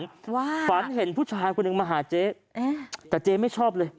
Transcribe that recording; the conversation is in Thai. คือถามลูกเช้าฝันเห็นผู้ชายคนนึงมาหาเจ๊แต่เจ๊ไม่ชอบเลย